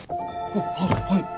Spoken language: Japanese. あっはい！